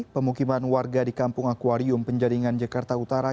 pemukiman warga di kampung akwarium penjaringan jakarta utara